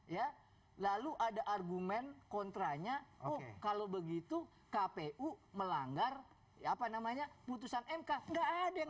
ya lalu ada argumen kontranya oh kalau begitu kpu melanggar apa namanya putusan mk nggak ada yang